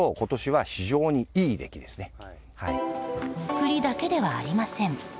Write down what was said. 栗だけではありません。